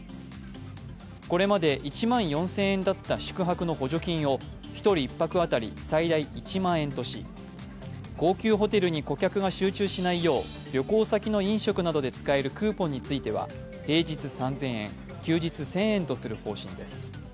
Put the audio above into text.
これまで１万４０００円だった宿泊の補助金を１人１泊あたり最大１万円とし、高級ホテルに顧客が集中しないよう旅行先の飲食などで使えるクーポンについては平日３０００円、休日１０００円とする方針です。